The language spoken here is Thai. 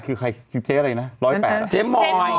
เต็มไหมใช่ไหม